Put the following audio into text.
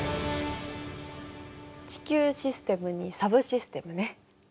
地球システムにサブシステムね。